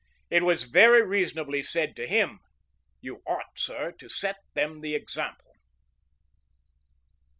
It was very reasonably said to him, "You ought, sir, to set them the example."